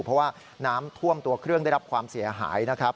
เพราะว่าน้ำท่วมตัวเครื่องได้รับความเสียหายนะครับ